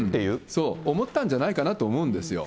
そう、思ったんじゃないかなと思うんですよ。